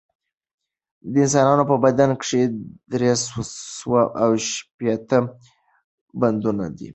د انسان په بدن کښي درې سوه او شپېته بندونه دي